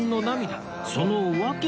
その訳は？